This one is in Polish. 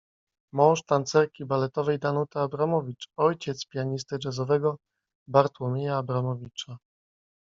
Mąż tancerki baletowej Danuty Abramowicz - ojciec pianisty jazzowego Bartłomieja Abramowicza.